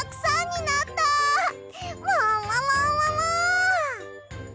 ももももも！